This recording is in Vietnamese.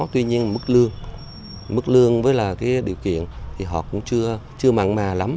tuy nhiên mức lương mức lương với là cái điều kiện thì họ cũng chưa mặn mà lắm